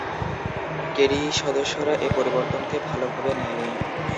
KDE সদস্যরা এ পরিবর্তনকে ভাল ভাবে নেয়নি।